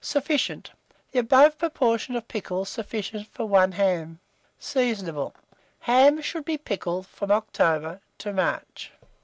Sufficient. The above proportion of pickle sufficient for 1 ham. Seasonable. Hams should be pickled from October to March.